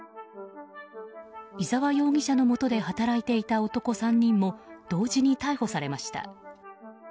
居沢容疑者のもとで働いていた男３人も同時に逮捕されました。